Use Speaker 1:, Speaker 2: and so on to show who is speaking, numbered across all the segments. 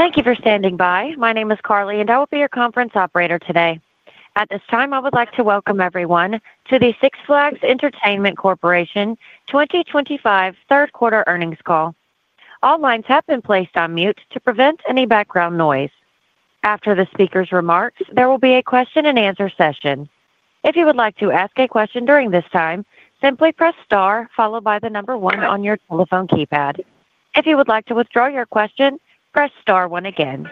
Speaker 1: Thank you for standing by. My name is Carly, and I will be your conference operator today. At this time, I would like to welcome everyone to the Six Flags Entertainment Corporation 2025 third quarter earnings call. All lines have been placed on mute to prevent any background noise. After the speaker's remarks, there will be a question and answer session. If you would like to ask a question during this time, simply press star followed by the number one on your telephone keypad. If you would like to withdraw your question, press star one again.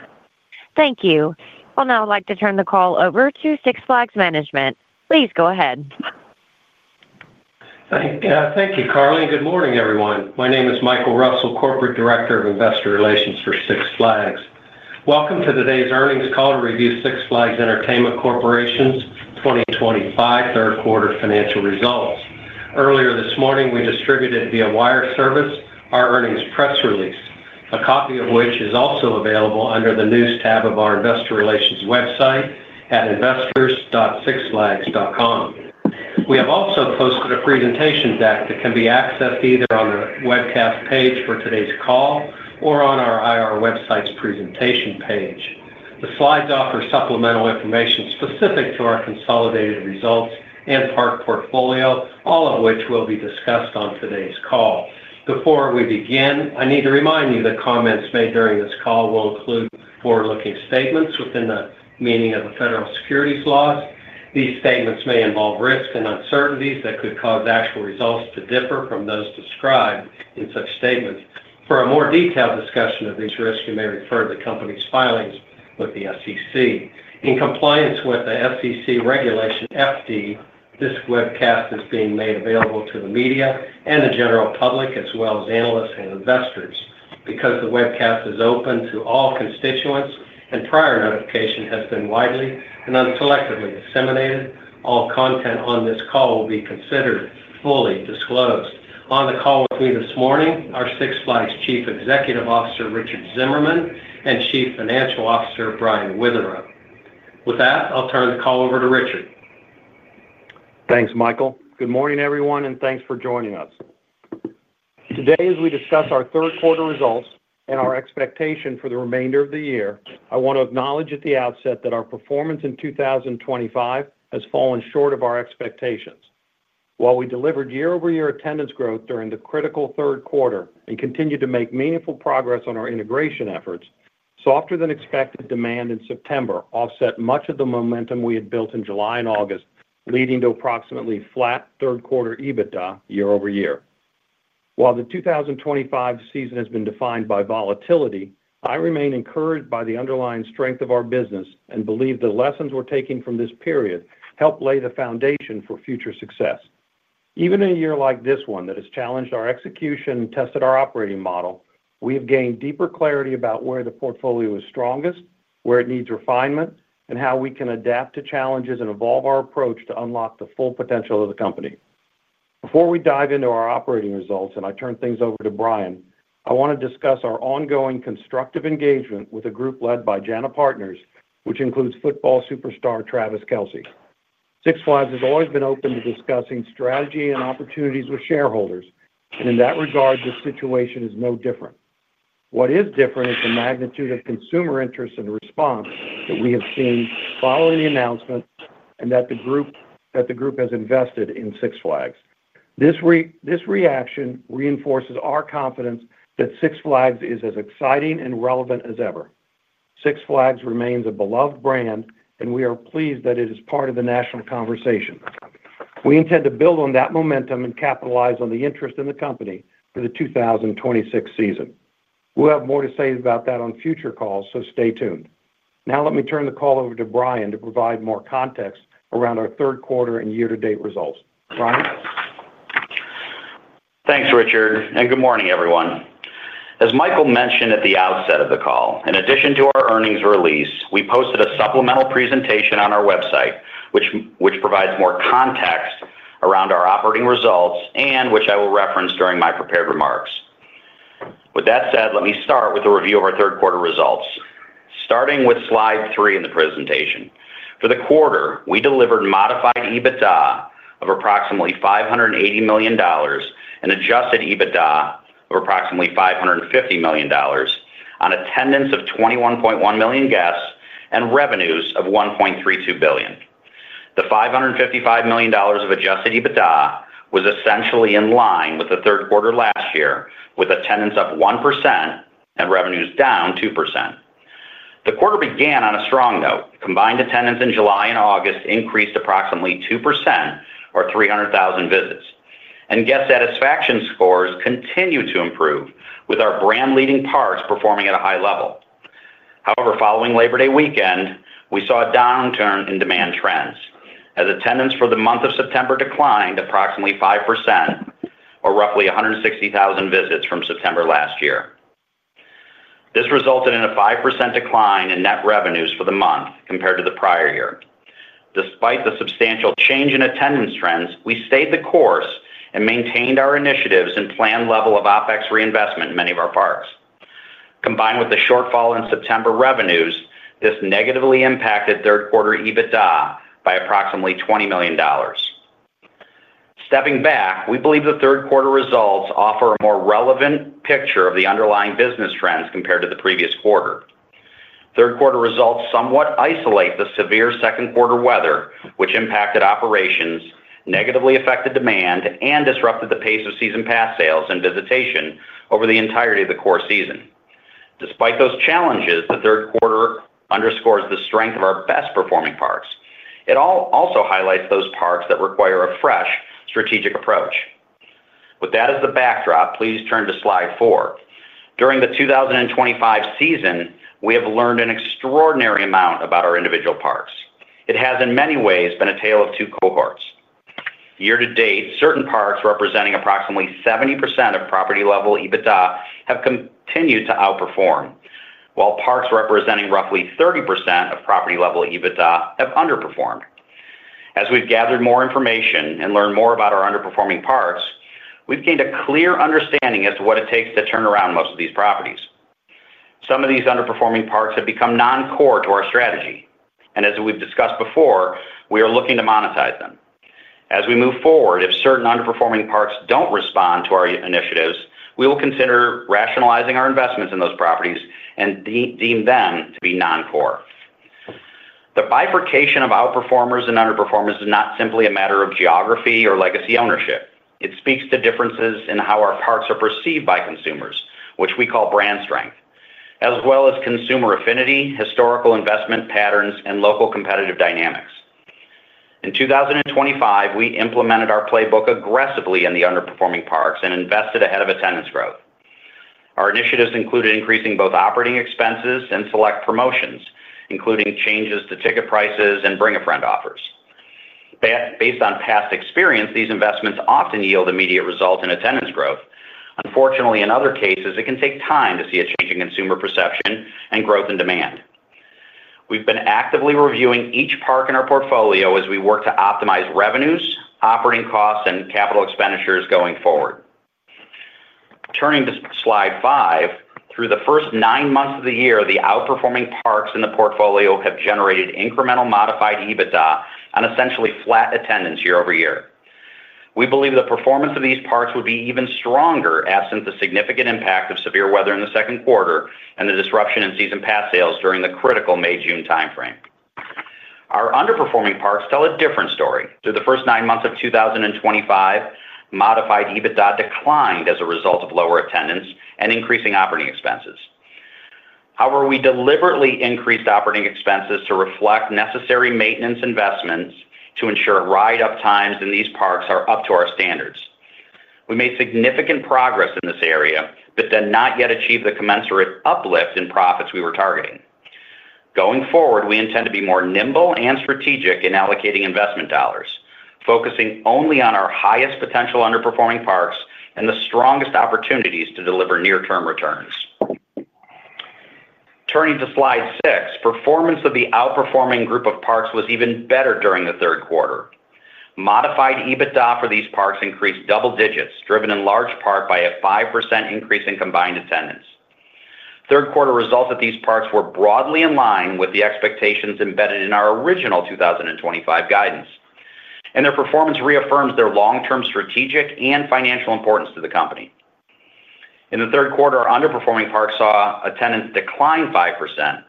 Speaker 1: Thank you. I will now like to turn the call over to Six Flags Management. Please go ahead.
Speaker 2: Thank you, Carly. Good morning, everyone. My name is Michael Russell, Corporate Director of Investor Relations for Six Flags. Welcome to today's earnings call to review Six Flags Entertainment Corporation's 2025 third-quarter financial results. Earlier this morning, we distributed via wire service our earnings press release, a copy of which is also available under the news tab of our investor relations website at investors.sixflags.com. We have also posted a presentation deck that can be accessed either on the webcast page for today's call or on our IR website's presentation page. The slides offer supplemental information specific to our consolidated results and park portfolio, all of which will be discussed on today's call. Before we begin, I need to remind you that comments made during this call will include forward-looking statements within the meaning of the federal securities laws. These statements may involve risks and uncertainties that could cause actual results to differ from those described in such statements. For a more detailed discussion of these risks, you may refer to the company's filings with the SEC. In compliance with the SEC regulation FD, this webcast is being made available to the media and the general public, as well as analysts and investors. Because the webcast is open to all constituents and prior notification has been widely and unselectively disseminated, all content on this call will be considered fully disclosed. On the call with me this morning are Six Flags Chief Executive Officer Richard Zimmerman and Chief Financial Officer Brian Witherow. With that, I'll turn the call over to Richard.
Speaker 3: Thanks, Michael. Good morning, everyone, and thanks for joining us. Today, as we discuss our third quarter results and our expectation for the remainder of the year, I want to acknowledge at the outset that our performance in 2025 has fallen short of our expectations. While we delivered year-over-year attendance growth during the critical third quarter and continued to make meaningful progress on our integration efforts, softer-than-expected demand in September offset much of the momentum we had built in July and August, leading to approximately flat third quarter EBITDA year-over-year. While the 2025 season has been defined by volatility, I remain encouraged by the underlying strength of our business and believe the lessons we're taking from this period help lay the foundation for future success. Even in a year like this one that has challenged our execution and tested our operating model, we have gained deeper clarity about where the portfolio is strongest, where it needs refinement, and how we can adapt to challenges and evolve our approach to unlock the full potential of the company. Before we dive into our operating results, and I turn things over to Brian, I want to discuss our ongoing constructive engagement with a group led by Jana Partners, which includes football superstar Travis Kelce. Six Flags has always been open to discussing strategy and opportunities with shareholders, and in that regard, this situation is no different. What is different is the magnitude of consumer interest and response that we have seen following the announcement and that the group has invested in Six Flags. This reaction reinforces our confidence that Six Flags is as exciting and relevant as ever. Six Flags remains a beloved brand, and we are pleased that it is part of the national conversation. We intend to build on that momentum and capitalize on the interest in the company for the 2026 season. We'll have more to say about that on future calls, so stay tuned. Now, let me turn the call over to Brian to provide more context around our third quarter and year-to-date results. Brian?
Speaker 4: Thanks, Richard, and good morning, everyone. As Michael mentioned at the outset of the call, in addition to our earnings release, we posted a supplemental presentation on our website, which provides more context around our operating results and which I will reference during my prepared remarks. With that said, let me start with a review of our third-quarter results, starting with slide three in the presentation. For the quarter, we delivered modified EBITDA of approximately $580 million and adjusted EBITDA of approximately $550 million on attendance of 21.1 million guests and revenues of $1.32 billion. The $550 million of adjusted EBITDA was essentially in line with the third quarter last year, with attendance up 1% and revenues down 2%. The quarter began on a strong note. Combined attendance in July and August increased approximately 2%, or 300,000 visits, and guest satisfaction scores continued to improve, with our brand-leading parks performing at a high level. However, following Labor Day weekend, we saw a downturn in demand trends as attendance for the month of September declined approximately 5%, or roughly 160,000 visits from September last year. This resulted in a 5% decline in net revenues for the month compared to the prior year. Despite the substantial change in attendance trends, we stayed the course and maintained our initiatives and planned level of OpEx reinvestment in many of our parks. Combined with the shortfall in September revenues, this negatively impacted third-quarter EBITDA by approximately $20 million. Stepping back, we believe the third quarter results offer a more relevant picture of the underlying business trends compared to the previous quarter. Third quarter results somewhat isolate the severe second quarter weather, which impacted operations, negatively affected demand, and disrupted the pace of season pass sales and visitation over the entirety of the core season. Despite those challenges, the third quarter underscores the strength of our best performing parks. It also highlights those parks that require a fresh strategic approach. With that as the backdrop, please turn to slide four. During the 2025 season, we have learned an extraordinary amount about our individual parks. It has, in many ways, been a tale of two cohorts. Year-to-date, certain parks representing approximately 70% of property-level EBITDA have continued to outperform, while parks representing roughly 30% of property-level EBITDA have underperformed. As we've gathered more information and learned more about our underperforming parks, we've gained a clear understanding as to what it takes to turn around most of these properties. Some of these underperforming parks have become non-core to our strategy, and as we've discussed before, we are looking to monetize them. As we move forward, if certain underperforming parks don't respond to our initiatives, we will consider rationalizing our investments in those properties and deem them to be non-core. The bifurcation of outperformers and underperformers is not simply a matter of geography or legacy ownership. It speaks to differences in how our parks are perceived by consumers, which we call brand strength, as well as consumer affinity, historical investment patterns, and local competitive dynamics. In 2025, we implemented our playbook aggressively in the underperforming parks and invested ahead of attendance growth. Our initiatives included increasing both operating expenses and select promotions, including changes to ticket prices and bring-a-friend offers. Based on past experience, these investments often yield immediate results in attendance growth. Unfortunately, in other cases, it can take time to see a change in consumer perception and growth in demand. We've been actively reviewing each park in our portfolio as we work to optimize revenues, operating costs, and capital expenditures going forward. Turning to slide five, through the first nine months of the year, the outperforming parks in the portfolio have generated incremental modified EBITDA on essentially flat attendance year-over-year. We believe the performance of these parks would be even stronger absent the significant impact of severe weather in the second quarter and the disruption in season pass sales during the critical May-June timeframe. Our underperforming parks tell a different story. Through the first nine months of 2023, modified EBITDA declined as a result of lower attendance and increasing operating expenses. However, we deliberately increased operating expenses to reflect necessary maintenance investments to ensure ride-up times in these parks are up to our standards. We made significant progress in this area but did not yet achieve the commensurate uplift in profits we were targeting. Going forward, we intend to be more nimble and strategic in allocating investment dollars, focusing only on our highest potential underperforming parks and the strongest opportunities to deliver near-term returns. Turning to slide six, performance of the outperforming group of parks was even better during the third quarter. Modified EBITDA for these parks increased double digits, driven in large part by a 5% increase in combined attendance. Third-quarter results at these parks were broadly in line with the expectations embedded in our original 2025 guidance, and their performance reaffirms their long-term strategic and financial importance to the company. In the third quarter, our underperforming parks saw attendance decline 5%,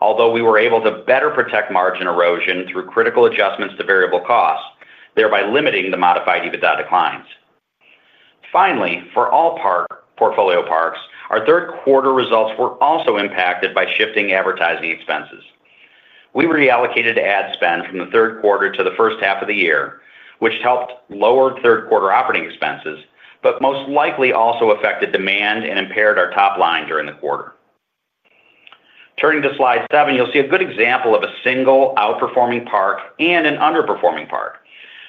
Speaker 4: although we were able to better protect margin erosion through critical adjustments to variable costs, thereby limiting the modified EBITDA declines. Finally, for all portfolio parks, our third-quarter results were also impacted by shifting advertising expenses. We reallocated ad spend from the third quarter to the first half of the year, which helped lower third-quarter operating expenses but most likely also affected demand and impaired our top line during the quarter. Turning to slide seven, you'll see a good example of a single outperforming park and an underperforming park.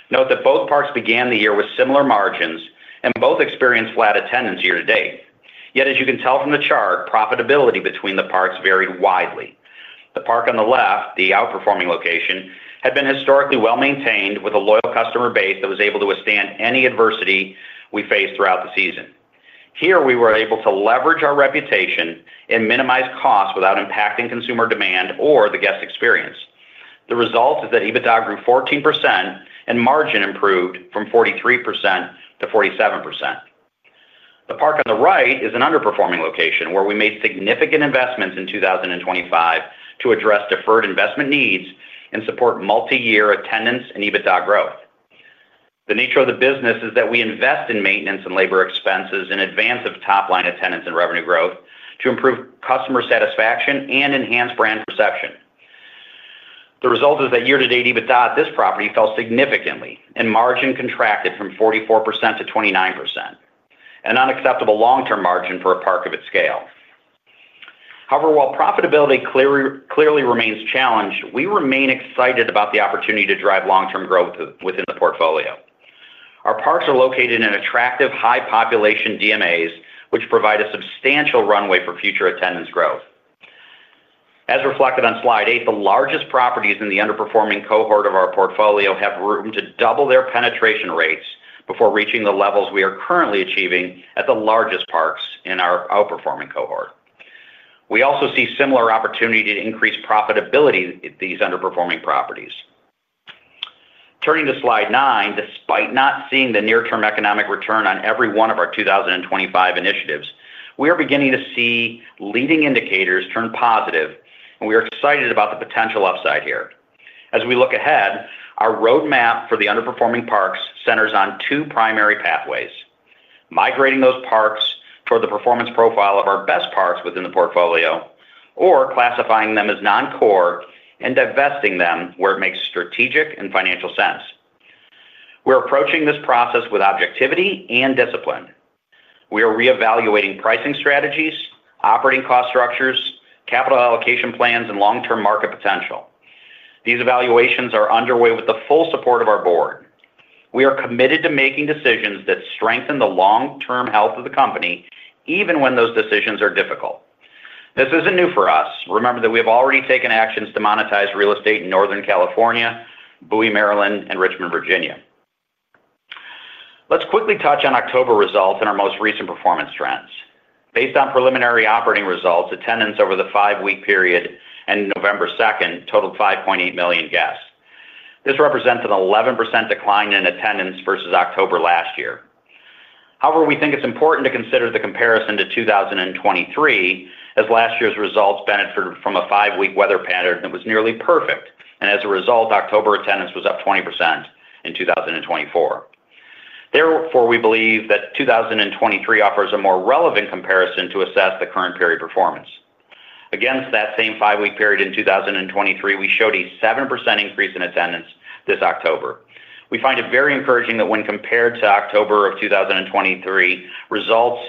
Speaker 4: Note that both parks began the year with similar margins, and both experienced flat attendance year-to-date. Yet, as you can tell from the chart, profitability between the parks varied widely. The park on the left, the outperforming location, had been historically well-maintained with a loyal customer base that was able to withstand any adversity we faced throughout the season. Here, we were able to leverage our reputation and minimize costs without impacting consumer demand or the guest experience. The result is that EBITDA grew 14% and margin improved from 43% to 47%. The park on the right is an underperforming location where we made significant investments in 2025 to address deferred investment needs and support multi-year attendance and EBITDA growth. The nature of the business is that we invest in maintenance and labor expenses in advance of top-line attendance and revenue growth to improve customer satisfaction and enhance brand perception. The result is that year-to-date EBITDA at this property fell significantly, and margin contracted from 44% to 29%, an unacceptable long-term margin for a park of its scale. However, while profitability clearly remains challenged, we remain excited about the opportunity to drive long-term growth within the portfolio. Our parks are located in attractive, high-population DMAs, which provide a substantial runway for future attendance growth. As reflected on slide eight, the largest properties in the underperforming cohort of our portfolio have room to double their penetration rates before reaching the levels we are currently achieving at the largest parks in our outperforming cohort. We also see similar opportunity to increase profitability at these underperforming properties. Turning to slide nine, despite not seeing the near-term economic return on every one of our 2025 initiatives, we are beginning to see leading indicators turn positive, and we are excited about the potential upside here. As we look ahead, our roadmap for the underperforming parks centers on two primary pathways: migrating those parks toward the performance profile of our best parks within the portfolio, or classifying them as non-core and divesting them where it makes strategic and financial sense. We're approaching this process with objectivity and discipline. We are reevaluating pricing strategies, operating cost structures, capital allocation plans, and long-term market potential. These evaluations are underway with the full support of our board. We are committed to making decisions that strengthen the long-term health of the company, even when those decisions are difficult. This isn't new for us. Remember that we have already taken actions to monetize real estate in Northern California, Bowie, Maryland, and Richmond, Virginia. Let's quickly touch on October results and our most recent performance trends. Based on preliminary operating results, attendance over the five-week period ended November 2nd totaled 5.8 million guests. This represents an 11% decline in attendance versus October last year. However, we think it's important to consider the comparison to 2023, as last year's results benefited from a five-week weather pattern that was nearly perfect, and as a result, October attendance was up 20% in 2022. Therefore, we believe that 2022 offers a more relevant comparison to assess the current period performance. Against that same five-week period in 2022, we showed a 7% increase in attendance this October. We find it very encouraging that when compared to October of 2022, results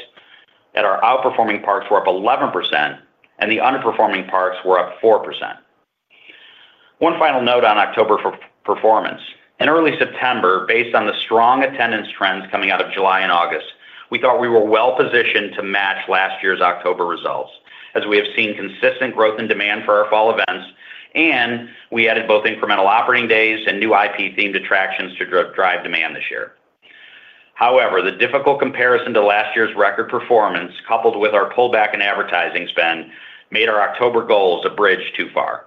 Speaker 4: at our outperforming parks were up 11%, and the underperforming parks were up 4%. One final note on October performance. In early September, based on the strong attendance trends coming out of July and August, we thought we were well-positioned to match last year's October results, as we have seen consistent growth in demand for our fall events, and we added both incremental operating days and new IP-themed attractions to drive demand this year. However, the difficult comparison to last year's record performance, coupled with our pullback in advertising spend, made our October goals a bridge too far.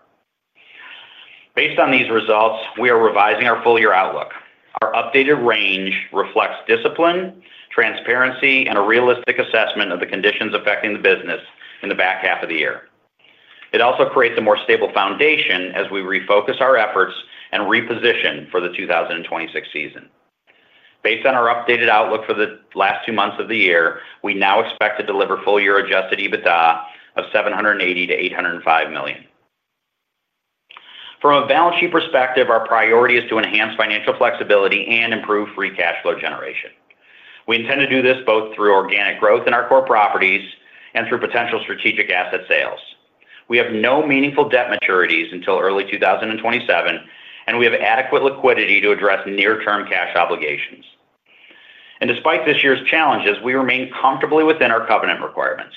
Speaker 4: Based on these results, we are revising our full-year outlook. Our updated range reflects discipline, transparency, and a realistic assessment of the conditions affecting the business in the back half of the year. It also creates a more stable foundation as we refocus our efforts and reposition for the 2026 season. Based on our updated outlook for the last two months of the year, we now expect to deliver full-year adjusted EBITDA of $780 million-$805 million. From a balance sheet perspective, our priority is to enhance financial flexibility and improve free cash flow generation. We intend to do this both through organic growth in our core properties and through potential strategic asset sales. We have no meaningful debt maturities until early 2027, and we have adequate liquidity to address near-term cash obligations. Despite this year's challenges, we remain comfortably within our covenant requirements.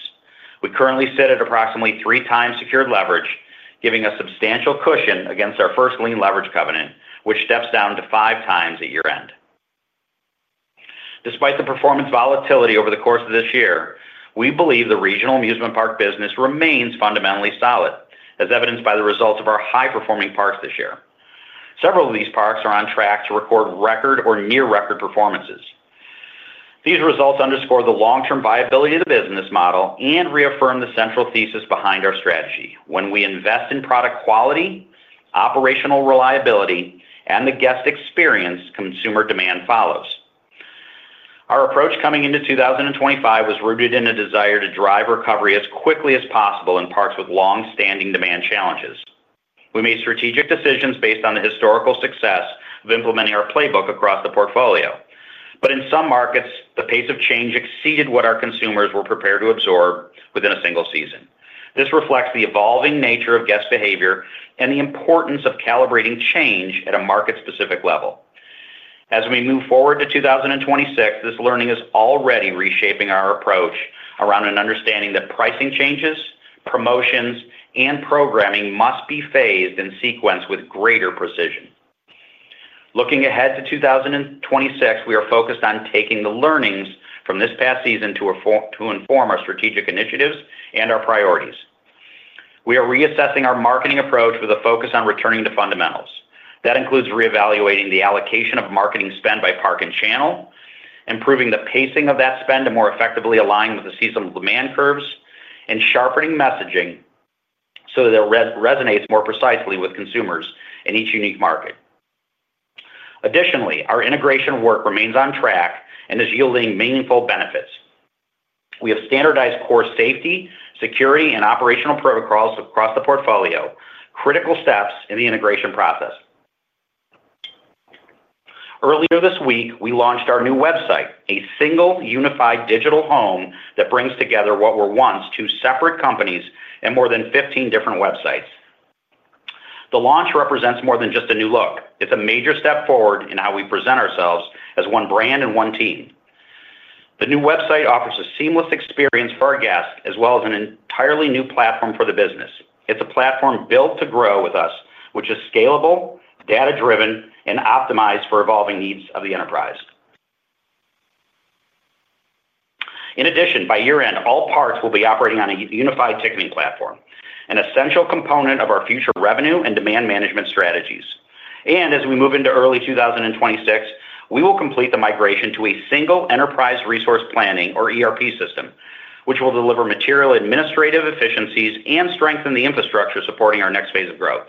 Speaker 4: We currently sit at approximately three times secured leverage, giving a substantial cushion against our first lien leverage covenant, which steps down to five times at year-end. Despite the performance volatility over the course of this year, we believe the regional amusement park business remains fundamentally solid, as evidenced by the results of our high-performing parks this year. Several of these parks are on track to record record or near-record performances. These results underscore the long-term viability of the business model and reaffirm the central thesis behind our strategy: when we invest in product quality, operational reliability, and the guest experience, consumer demand follows. Our approach coming into 2025 was rooted in a desire to drive recovery as quickly as possible in parks with long-standing demand challenges. We made strategic decisions based on the historical success of implementing our playbook across the portfolio. In some markets, the pace of change exceeded what our consumers were prepared to absorb within a single season. This reflects the evolving nature of guest behavior and the importance of calibrating change at a market-specific level. As we move forward to 2026, this learning is already reshaping our approach around an understanding that pricing changes, promotions, and programming must be phased in sequence with greater precision. Looking ahead to 2026, we are focused on taking the learnings from this past season to inform our strategic initiatives and our priorities. We are reassessing our marketing approach with a focus on returning to fundamentals. That includes reevaluating the allocation of marketing spend by park and channel, improving the pacing of that spend to more effectively align with the seasonal demand curves, and sharpening messaging so that it resonates more precisely with consumers in each unique market. Additionally, our integration work remains on track and is yielding meaningful benefits. We have standardized core safety, security, and operational protocols across the portfolio, critical steps in the integration process. Earlier this week, we launched our new website, a single unified digital home that brings together what were once two separate companies and more than 15 different websites. The launch represents more than just a new look. It's a major step forward in how we present ourselves as one brand and one team. The new website offers a seamless experience for our guests as well as an entirely new platform for the business. It's a platform built to grow with us, which is scalable, data-driven, and optimized for evolving needs of the enterprise. In addition, by year-end, all parks will be operating on a unified ticketing platform, an essential component of our future revenue and demand management strategies. As we move into early 2026, we will complete the migration to a single Enterprise Resource Planning, or ERP, system, which will deliver material administrative efficiencies and strengthen the infrastructure supporting our next phase of growth.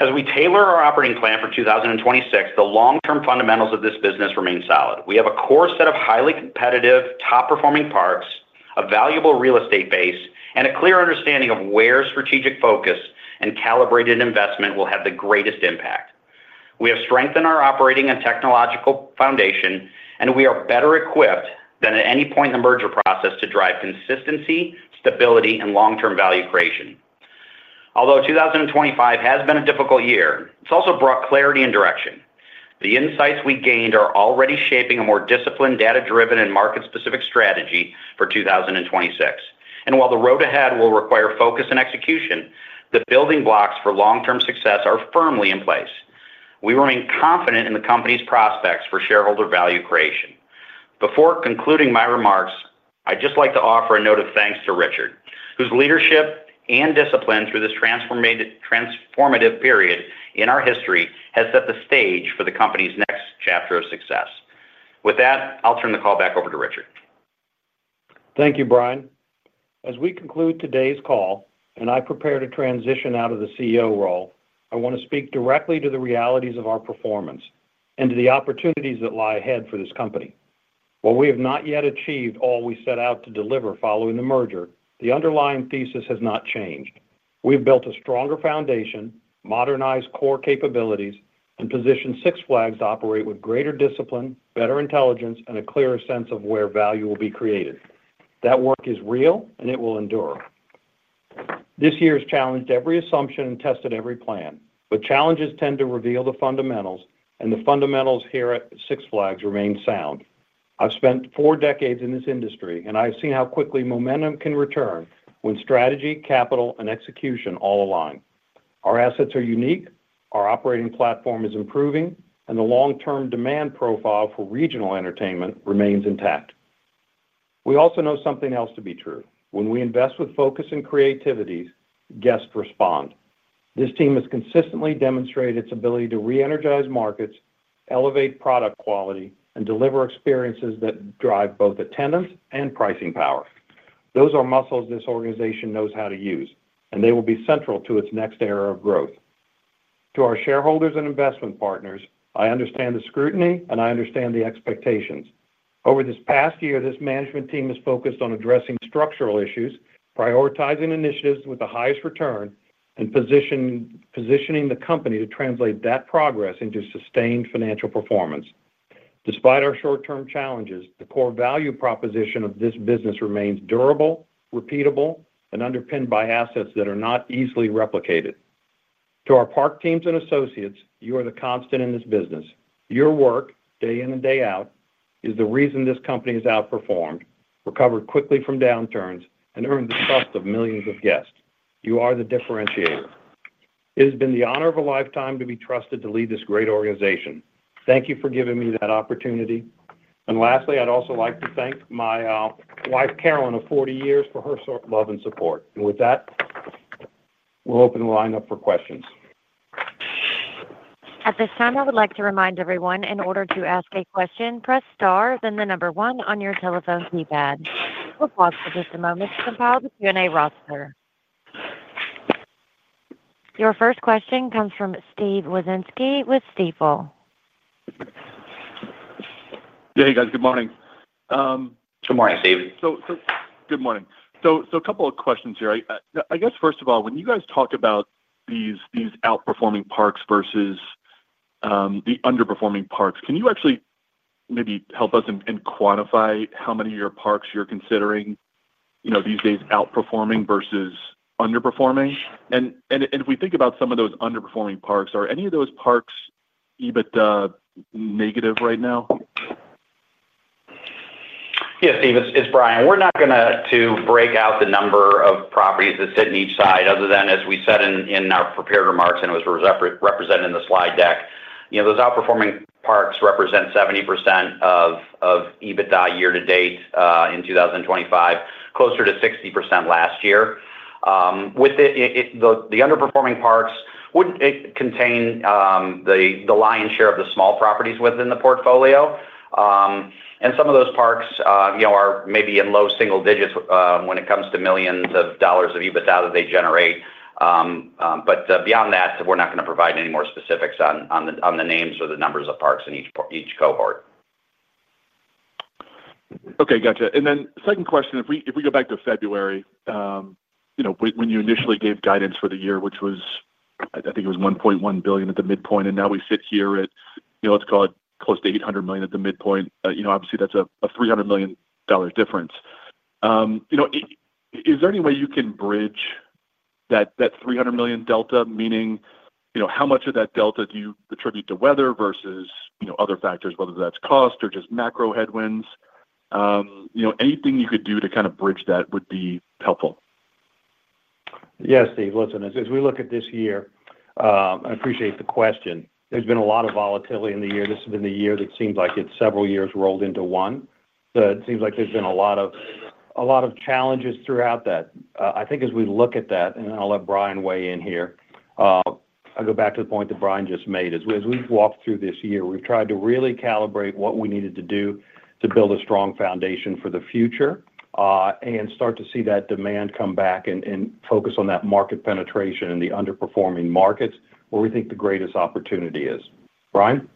Speaker 4: As we tailor our operating plan for 2026, the long-term fundamentals of this business remain solid. We have a core set of highly competitive, top-performing parks, a valuable real estate base, and a clear understanding of where strategic focus and calibrated investment will have the greatest impact. We have strengthened our operating and technological foundation, and we are better equipped than at any point in the merger process to drive consistency, stability, and long-term value creation. Although 2025 has been a difficult year, it's also brought clarity and direction. The insights we gained are already shaping a more disciplined, data-driven, and market-specific strategy for 2026. While the road ahead will require focus and execution, the building blocks for long-term success are firmly in place. We remain confident in the company's prospects for shareholder value creation. Before concluding my remarks, I'd just like to offer a note of thanks to Richard, whose leadership and discipline through this transformative period in our history has set the stage for the company's next chapter of success. With that, I'll turn the call back over to Richard.
Speaker 3: Thank you, Brian. As we conclude today's call and I prepare to transition out of the CEO role, I want to speak directly to the realities of our performance and to the opportunities that lie ahead for this company. While we have not yet achieved all we set out to deliver following the merger, the underlying thesis has not changed. We've built a stronger foundation, modernized core capabilities, and positioned Six Flags to operate with greater discipline, better intelligence, and a clearer sense of where value will be created. That work is real, and it will endure. This year has challenged every assumption and tested every plan. Challenges tend to reveal the fundamentals, and the fundamentals here at Six Flags remain sound. I've spent four decades in this industry, and I've seen how quickly momentum can return when strategy, capital, and execution all align. Our assets are unique, our operating platform is improving, and the long-term demand profile for regional entertainment remains intact. We also know something else to be true. When we invest with focus and creativity, guests respond. This team has consistently demonstrated its ability to re-energize markets, elevate product quality, and deliver experiences that drive both attendance and pricing power. Those are muscles this organization knows how to use, and they will be central to its next era of growth. To our shareholders and investment partners, I understand the scrutiny, and I understand the expectations. Over this past year, this management team has focused on addressing structural issues, prioritizing initiatives with the highest return, and positioning the company to translate that progress into sustained financial performance. Despite our short-term challenges, the core value proposition of this business remains durable, repeatable, and underpinned by assets that are not easily replicated. To our park teams and associates, you are the constant in this business. Your work, day in and day out, is the reason this company has outperformed, recovered quickly from downturns, and earned the trust of millions of guests. You are the differentiator. It has been the honor of a lifetime to be trusted to lead this great organization. Thank you for giving me that opportunity. Lastly, I'd also like to thank my wife, Carolyn, of 40 years, for her love and support. With that, we'll open the lineup for questions.
Speaker 1: At this time, I would like to remind everyone, in order to ask a question, press star, then the number one on your telephone keypad. We'll pause for just a moment to compile the Q&A roster. Your first question comes from Steve Wieczynski with Stifel.
Speaker 5: Yeah, hey guys, good morning.
Speaker 4: Good morning, Steve.
Speaker 5: Good morning. A couple of questions here. I guess, first of all, when you guys talk about these outperforming parks versus the underperforming parks, can you actually maybe help us and quantify how many of your parks you're considering these days outperforming versus underperforming? If we think about some of those underperforming parks, are any of those parks EBITDA negative right now?
Speaker 4: Yeah, Steve, it's Brian. We're not going to break out the number of properties that sit in each side other than, as we said in our prepared remarks and it was represented in the slide deck, those outperforming parks represent 70% of EBITDA year-to-date in 2025, closer to 60% last year. With the underperforming parks, it would contain the lion's share of the small properties within the portfolio. Some of those parks are maybe in low single digits when it comes to millions of dollars of EBITDA that they generate. Beyond that, we're not going to provide any more specifics on the names or the numbers of parks in each cohort.
Speaker 5: Okay, gotcha. Then second question, if we go back to February, when you initially gave guidance for the year, which was, I think it was $1.1 billion at the midpoint, and now we sit here at, let's call it, close to $800 million at the midpoint, obviously, that's a $300 million difference. Is there any way you can bridge that $300 million delta, meaning how much of that delta do you attribute to weather versus other factors, whether that's cost or just macro headwinds? Anything you could do to kind of bridge that would be helpful.
Speaker 3: Yeah, Steve, listen, as we look at this year, I appreciate the question. There's been a lot of volatility in the year. This has been the year that seems like it's several years rolled into one. It seems like there's been a lot of challenges throughout that. I think as we look at that, and then I'll let Brian weigh in here, I'll go back to the point that Brian just made. As we've walked through this year, we've tried to really calibrate what we needed to do to build a strong foundation for the future and start to see that demand come back and focus on that market penetration in the underperforming markets where we think the greatest opportunity is. Brian?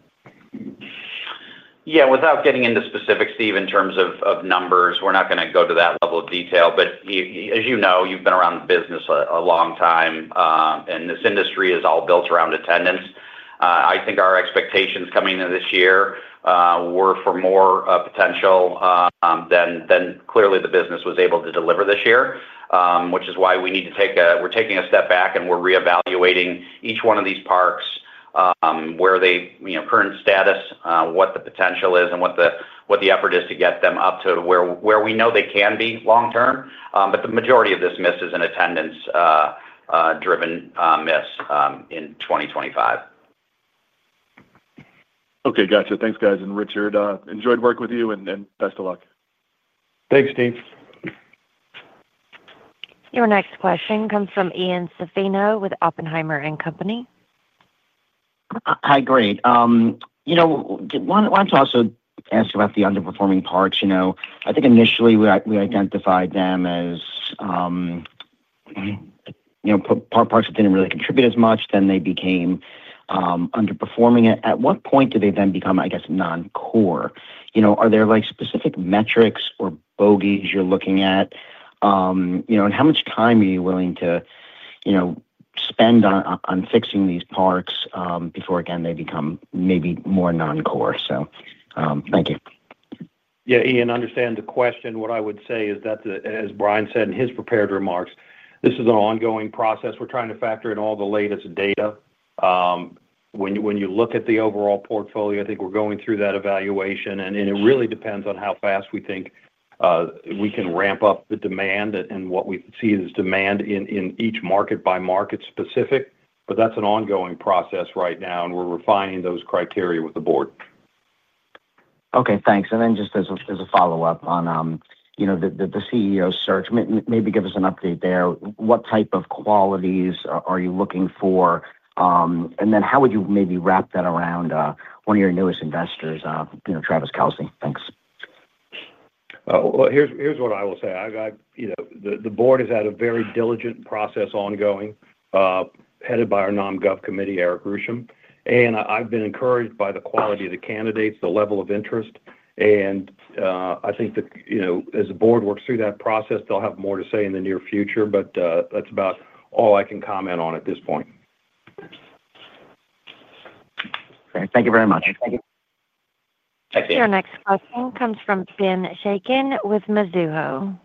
Speaker 4: Yeah, without getting into specifics, Steve, in terms of numbers, we're not going to go to that level of detail. As you know, you've been around the business a long time, and this industry is all built around attendance. I think our expectations coming into this year were for more potential than clearly the business was able to deliver this year, which is why we need to take a—we're taking a step back and we're reevaluating each one of these parks, where they current status, what the potential is, and what the effort is to get them up to where we know they can be long-term. The majority of this miss is an attendance-driven miss in 2025.
Speaker 5: Okay, gotcha. Thanks, guys. Richard, enjoyed working with you and best of luck.
Speaker 3: Thanks, Steve.
Speaker 1: Your next question comes from Ian Zaffino with Oppenheimer & Co.
Speaker 6: Hi, great. I wanted to also ask about the underperforming parks. I think initially we identified them as parks that did not really contribute as much, then they became underperforming. At what point do they then become, I guess, non-core? Are there specific metrics or bogeys you're looking at? How much time are you willing to spend on fixing these parks before, again, they become maybe more non-core? Thank you.
Speaker 3: Yeah, Ian, I understand the question. What I would say is that, as Brian said in his prepared remarks, this is an ongoing process. We're trying to factor in all the latest data. When you look at the overall portfolio, I think we're going through that evaluation. It really depends on how fast we think we can ramp up the demand and what we see as demand in each market by market specific. That's an ongoing process right now, and we're refining those criteria with the board.
Speaker 6: Okay, thanks. Just as a follow-up on the CEO search, maybe give us an update there. What type of qualities are you looking for? How would you maybe wrap that around one of your newest investors, Travis Kelce? Thanks.
Speaker 3: Here's what I will say. The board is at a very diligent process ongoing, headed by our non-gov committee, Eric Grubman. I have been encouraged by the quality of the candidates, the level of interest. I think as the board works through that process, they will have more to say in the near future. That is about all I can comment on at this point.
Speaker 6: Okay, thank you very much.
Speaker 3: Thank you.
Speaker 1: Your next question comes from Ben Chaiken with Mizuho.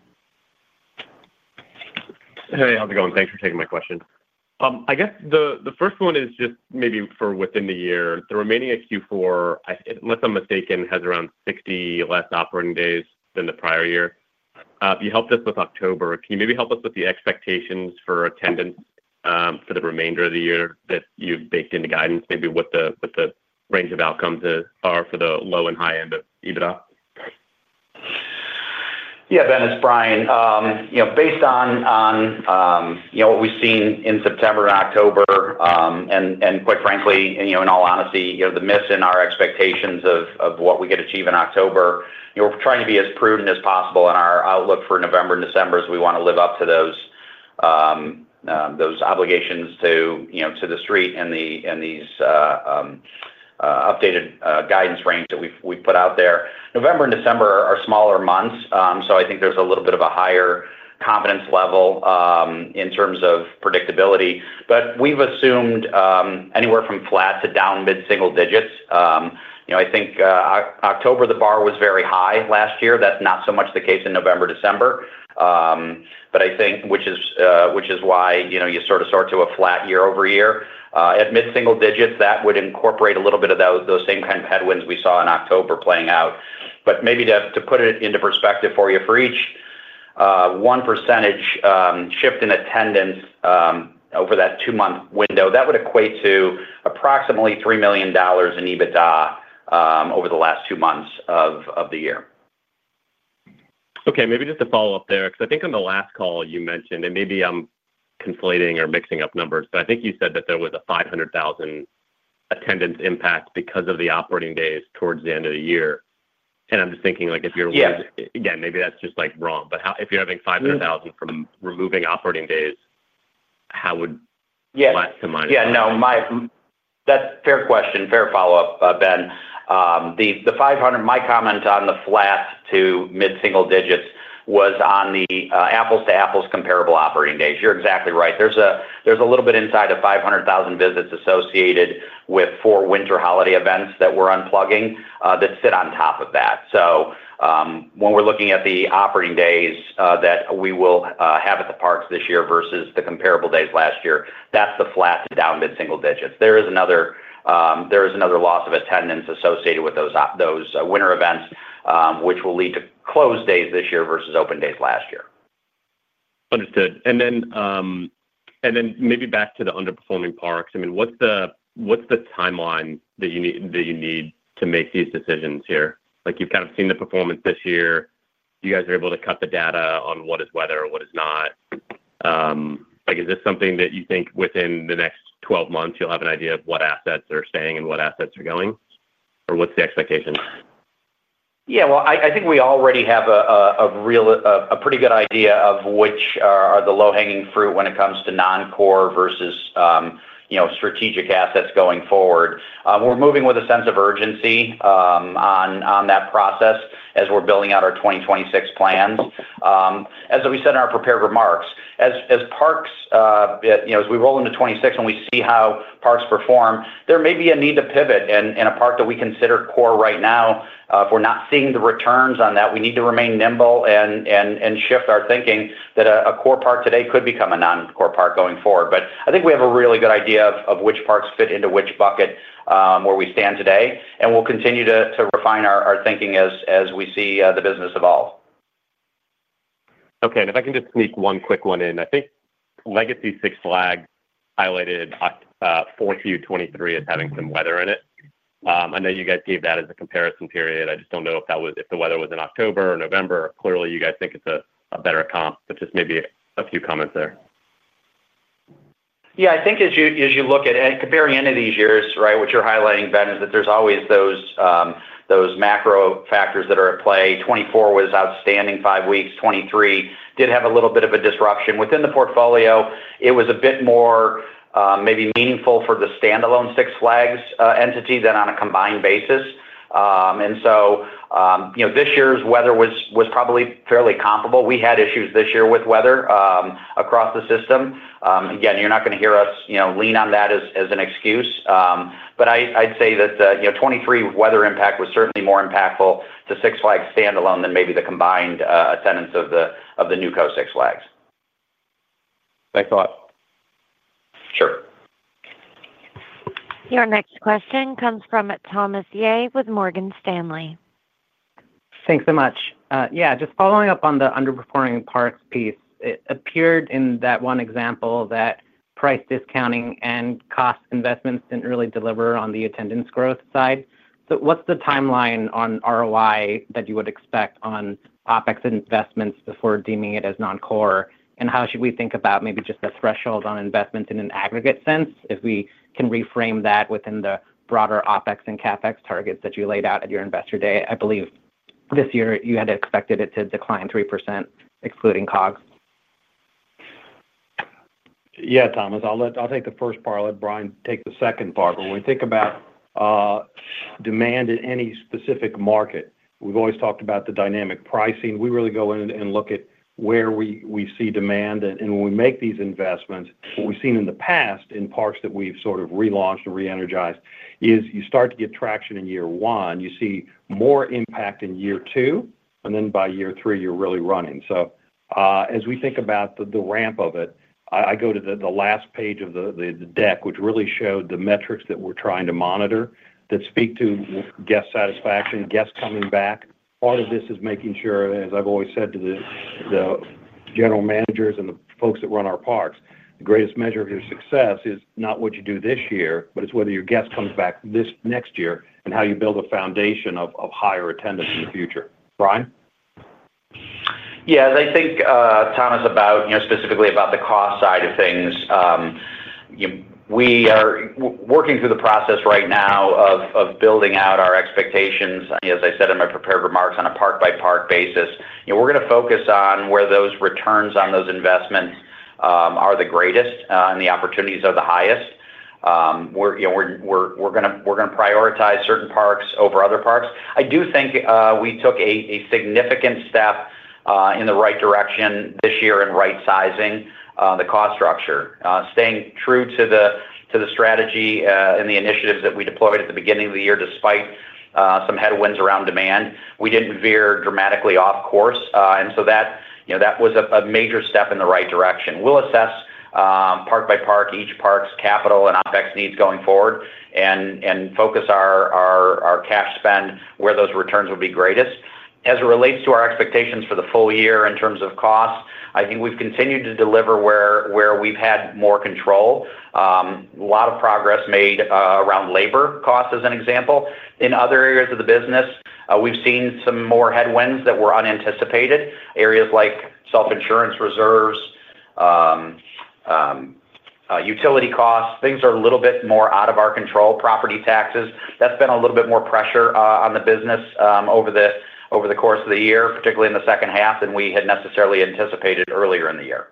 Speaker 7: Hey, how is it going? Thanks for taking my question. I guess the first one is just maybe for within the year. The remaining Q4, unless I am mistaken, has around 60 less operating days than the prior year. You helped us with October. Can you maybe help us with the expectations for attendance for the remainder of the year that you've baked into guidance, maybe what the range of outcomes are for the low and high end of EBITDA?
Speaker 4: Yeah, Ben, it's Brian. Based on what we've seen in September and October, and quite frankly, in all honesty, the miss in our expectations of what we could achieve in October, we're trying to be as prudent as possible in our outlook for November and December as we want to live up to those obligations to the street and these updated guidance range that we've put out there. November and December are smaller months, so I think there's a little bit of a higher confidence level in terms of predictability. We've assumed anywhere from flat to down mid-single digits. I think October, the bar was very high last year. That's not so much the case in November, December, which is why you sort of sort to a flat year-over-year. At mid-single digits, that would incorporate a little bit of those same kind of headwinds we saw in October playing out. Maybe to put it into perspective for you, for each 1% shift in attendance over that two-month window, that would equate to approximately $3 million in EBITDA over the last two months of the year.
Speaker 7: Okay, maybe just to follow up there, because I think on the last call you mentioned, and maybe I'm conflating or mixing up numbers, but I think you said that there was a 500,000 attendance impact because of the operating days towards the end of the year. I'm just thinking if you're, again, maybe that's just wrong. If you're having 500,000 from removing operating days, how would that minus?
Speaker 4: Yeah, no, that's a fair question, fair follow-up, Ben. The 500, my comment on the flat to mid-single digits was on the apples-to-apples comparable operating days. You're exactly right. There's a little bit inside of 500,000 visits associated with four winter holiday events that we're unplugging that sit on top of that. When we're looking at the operating days that we will have at the parks this year versus the comparable days last year, that's the flat to down mid-single digits. There is another loss of attendance associated with those winter events, which will lead to closed days this year versus open days last year.
Speaker 7: Understood. Maybe back to the underperforming parks. I mean, what's the timeline that you need to make these decisions here? You've kind of seen the performance this year. You guys are able to cut the data on what is weather or what is not. Is this something that you think within the next 12 months you'll have an idea of what assets are staying and what assets are going? Or what's the expectation?
Speaker 3: Yeah, I think we already have a pretty good idea of which are the low-hanging fruit when it comes to non-core versus strategic assets going forward. We're moving with a sense of urgency on that process as we're building out our 2026 plans. As we said in our prepared remarks, as parks, as we roll into 2026 and we see how parks perform, there may be a need to pivot in a park that we consider core right now. If we're not seeing the returns on that, we need to remain nimble and shift our thinking that a core park today could become a non-core park going forward. I think we have a really good idea of which parks fit into which bucket where we stand today. We'll continue to refine our thinking as we see the business evolve.
Speaker 7: Okay, if I can just sneak one quick one in. I think Legacy Six Flags highlighted Q4 2023 as having some weather in it. I know you guys gave that as a comparison period. I just don't know if the weather was in October or November. Clearly, you guys think it's a better comp, but just maybe a few comments there.
Speaker 3: Yeah, I think as you look at comparing any of these years, right, what you're highlighting, Ben, is that there's always those macro factors that are at play. 2024 was outstanding five weeks. 2023 did have a little bit of a disruption. Within the portfolio, it was a bit more maybe meaningful for the standalone Six Flags entity than on a combined basis. This year's weather was probably fairly comparable. We had issues this year with weather across the system. Again, you're not going to hear us lean on that as an excuse. I'd say that 2023 weather impact was certainly more impactful to Six Flags standalone than maybe the combined attendance of the new coast Six Flags.
Speaker 7: Thanks a lot.
Speaker 3: Sure.
Speaker 1: Your next question comes from Thomas Yeh with Morgan Stanley.
Speaker 8: Thanks so much. Yeah, just following up on the underperforming parks piece, it appeared in that one example that price discounting and cost investments did not really deliver on the attendance growth side. What's the timeline on ROI that you would expect on OpEx investments before deeming it as non-core? How should we think about maybe just the threshold on investments in an aggregate sense if we can reframe that within the broader OpEx and CapEx targets that you laid out at your investor day? I believe this year you had expected it to decline 3%, excluding COGS.
Speaker 3: Yeah, Thomas, I'll take the first part. I'll let Brian take the second part. When we think about demand in any specific market, we've always talked about the dynamic pricing. We really go in and look at where we see demand. When we make these investments, what we've seen in the past in parks that we've sort of relaunched and re-energized is you start to get traction in year one, you see more impact in year two, and then by year three, you're really running. As we think about the ramp of it, I go to the last page of the deck, which really showed the metrics that we're trying to monitor that speak to guest satisfaction, guests coming back. Part of this is making sure, as I've always said to the general managers and the folks that run our parks, the greatest measure of your success is not what you do this year, but it's whether your guest comes back next year and how you build a foundation of higher attendance in the future. Brian?
Speaker 4: Yeah, as I think, Thomas, specifically about the cost side of things, we are working through the process right now of building out our expectations. As I said in my prepared remarks on a park-by-park basis, we're going to focus on where those returns on those investments are the greatest and the opportunities are the highest. We're going to prioritize certain parks over other parks. I do think we took a significant step in the right direction this year in right-sizing the cost structure. Staying true to the strategy and the initiatives that we deployed at the beginning of the year despite some headwinds around demand, we didn't veer dramatically off course. That was a major step in the right direction. We'll assess park-by-park, each park's capital and OpEx needs going forward, and focus our cash spend where those returns will be greatest. As it relates to our expectations for the full year in terms of cost, I think we've continued to deliver where we've had more control. A lot of progress made around labor costs as an example. In other areas of the business, we've seen some more headwinds that were unanticipated. Areas like self-insurance reserves, utility costs, things are a little bit more out of our control, property taxes. That's been a little bit more pressure on the business over the course of the year, particularly in the second half, than we had necessarily anticipated earlier in the year.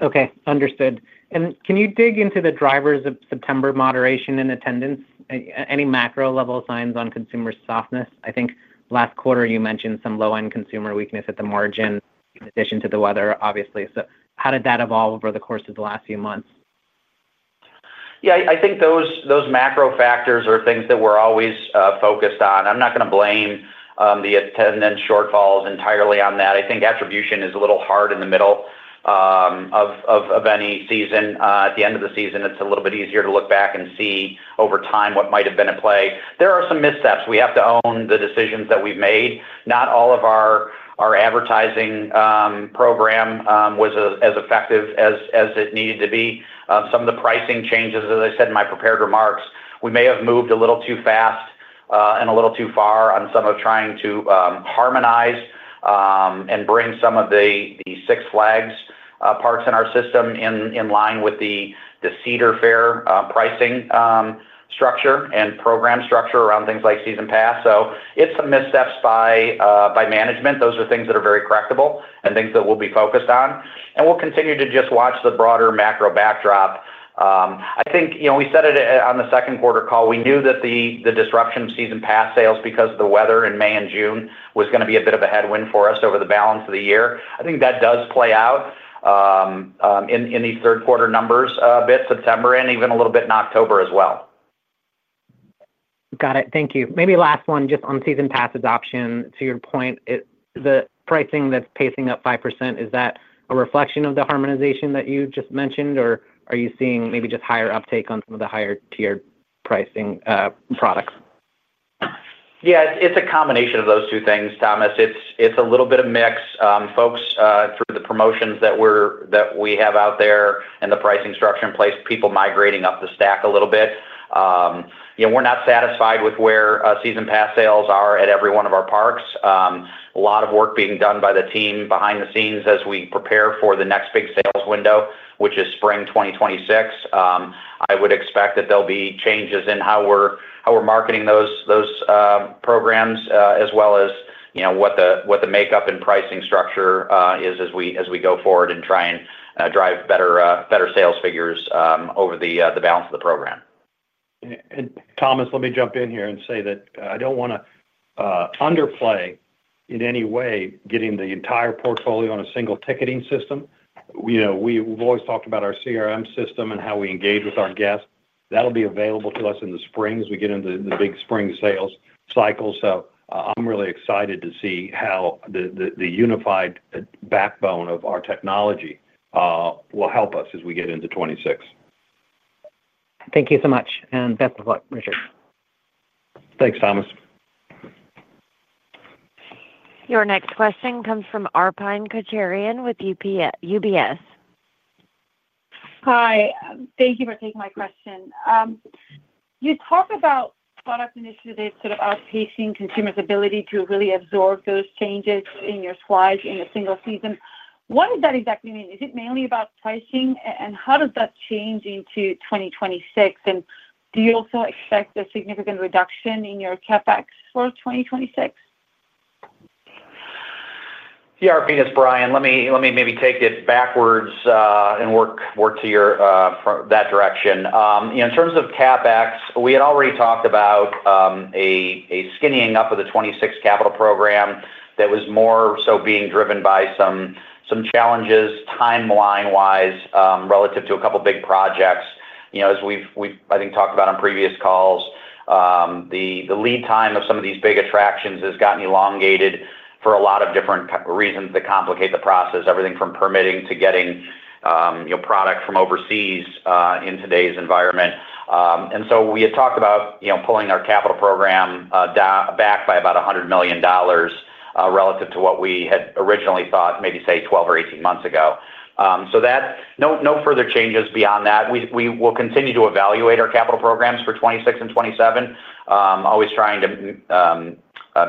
Speaker 8: Okay, understood. Can you dig into the drivers of September moderation in attendance? Any macro-level signs on consumer softness? I think last quarter you mentioned some low-end consumer weakness at the margin in addition to the weather, obviously. How did that evolve over the course of the last few months?
Speaker 4: Yeah, I think those macro factors are things that we're always focused on. I'm not going to blame the attendance shortfalls entirely on that. I think attribution is a little hard in the middle of any season. At the end of the season, it's a little bit easier to look back and see over time what might have been at play. There are some missteps. We have to own the decisions that we've made. Not all of our advertising program was as effective as it needed to be. Some of the pricing changes, as I said in my prepared remarks, we may have moved a little too fast and a little too far on some of trying to harmonize and bring some of the Six Flags parks in our system in line with the Cedar Fair pricing structure and program structure around things like season pass. It's some missteps by management. Those are things that are very correctable and things that we'll be focused on. We'll continue to just watch the broader macro backdrop. I think we said it on the second quarter call. We knew that the disruption of season pass sales because of the weather in May and June was going to be a bit of a headwind for us over the balance of the year. I think that does play out in these third-quarter numbers a bit, September, and even a little bit in October as well.
Speaker 8: Got it. Thank you. Maybe last one, just on season pass adoption. To your point, the pricing that's pacing up 5%, is that a reflection of the harmonization that you just mentioned, or are you seeing maybe just higher uptake on some of the higher-tiered pricing products?
Speaker 4: Yeah, it's a combination of those two things, Thomas. It's a little bit of mix. Folks, through the promotions that we have out there and the pricing structure in place, people migrating up the stack a little bit. We're not satisfied with where season pass sales are at every one of our parks. A lot of work being done by the team behind the scenes as we prepare for the next big sales window, which is spring 2026. I would expect that there'll be changes in how we're marketing those programs, as well as what the makeup and pricing structure is, as we go forward and try and drive better sales figures over the balance of the program.
Speaker 3: Thomas, let me jump in here and say that I don't want to underplay in any way getting the entire portfolio on a single ticketing system. We've always talked about our CRM system and how we engage with our guests. That'll be available to us in the spring as we get into the big spring sales cycle. I'm really excited to see how the unified backbone of our technology will help us as we get into 2026.
Speaker 8: Thank you so much. Best of luck, Richard.
Speaker 3: Thanks, Thomas.
Speaker 1: Your next question comes from Arpine Kocharyan with UBS.
Speaker 9: Hi. Thank you for taking my question. You talk about product initiatives sort of outpacing consumers' ability to really absorb those changes in your SWIGE in a single season. What does that exactly mean? Is it mainly about pricing, and how does that change into 2026? Do you also expect a significant reduction in your CapEx for 2026?
Speaker 4: Yeah, Arpine, it's Brian. Let me maybe take it backwards and work to your that direction. In terms of CapEx, we had already talked about a skinnying up of the 2026 capital program that was more so being driven by some challenges, timeline-wise, relative to a couple of big projects. As we've, I think, talked about on previous calls, the lead time of some of these big attractions has gotten elongated for a lot of different reasons that complicate the process, everything from permitting to getting product from overseas in today's environment. We had talked about pulling our capital program back by about $100 million relative to what we had originally thought, maybe say 12 or 18 months ago. No further changes beyond that. We will continue to evaluate our capital programs for 2026 and 2027, always trying to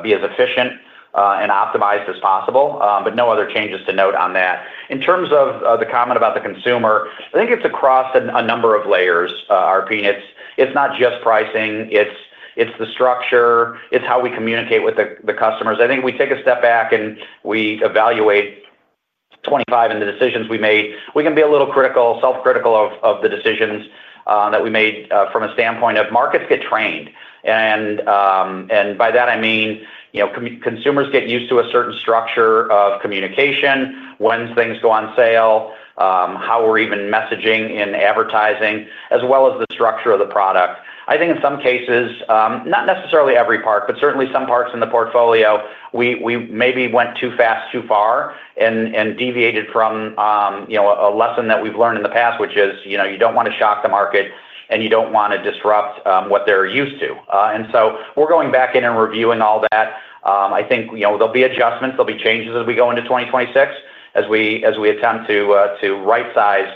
Speaker 4: be as efficient and optimized as possible, but no other changes to note on that. In terms of the comment about the consumer, I think it's across a number of layers, our peanuts. It's not just pricing. It's the structure. It's how we communicate with the customers. I think if we take a step back and we evaluate 2025 and the decisions we made, we can be a little critical, self-critical of the decisions that we made from a standpoint of markets get trained. By that, I mean consumers get used to a certain structure of communication, when things go on sale, how we're even messaging in advertising, as well as the structure of the product. I think in some cases, not necessarily every park, but certainly some parks in the portfolio, we maybe went too fast, too far, and deviated from a lesson that we've learned in the past, which is you don't want to shock the market, and you don't want to disrupt what they're used to. We are going back in and reviewing all that. I think there will be adjustments. There will be changes as we go into 2026 as we attempt to right-size